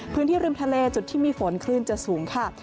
พื้นที่ริมทะเลจุดที่มีฝนคลื่นจะสูงค่ะ